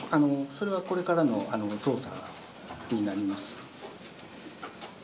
それはこれからの捜査になります。